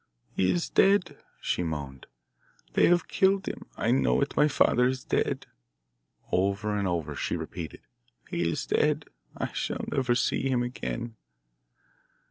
"He is dead," she moaned. "They have killed him. I know it. My father is dead." Over and over she repeated: "He is dead. I shall never see him again."